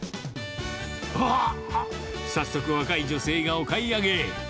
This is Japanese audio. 早速、若い女性がお買い上げ。